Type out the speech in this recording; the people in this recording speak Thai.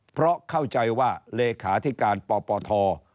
เพราะเข้าใจว่าเลขาธิการปปท